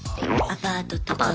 アパートとか。